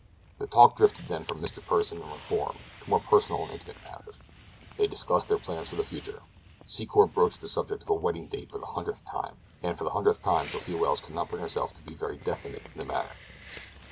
The talk drifted then from Mr. Pursen and reform to more personal and intimate matters. They discussed their plans for the future. Secor broached the subject of a wedding date for the hundredth time, and for the hundredth time Sophia Welles could not bring herself to be very definite in the matter.